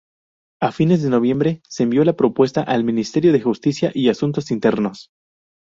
A fines de noviembre, envió la propuesta al Ministerio de Justicia y Asuntos Internos.